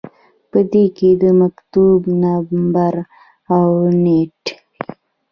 په دې کې د مکتوب نمبر او نیټه وي.